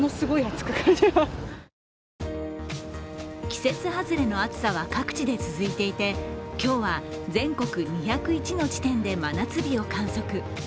季節外れの暑さは各地で続いていて今日は全国２０１の地点で真夏日を観測。